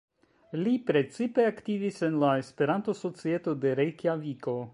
Li precipe aktivis en la Esperanto-societo de Rejkjaviko.